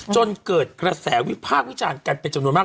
จนเกิดกระแสวิพากษ์วิจารณ์กันเป็นจำนวนมาก